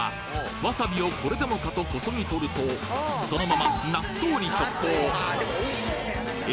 わさびをこれでもかとこそぎ取るとそのまま納豆に直行え？